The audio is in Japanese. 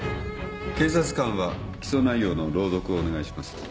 検察官は起訴内容の朗読をお願いします。